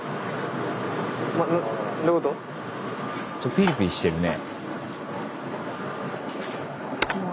ピリピリしてるね。